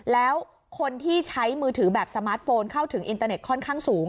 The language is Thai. แล้วคนที่ใช้มือถือแบบสมาร์ทโฟนเข้าถึงอินเตอร์เน็ตค่อนข้างสูง